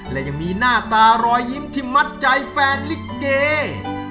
และยังมีหน้าตารอยยิ้มที่มัดใจแฟนลิเก